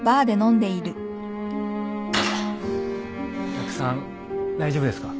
お客さん大丈夫ですか？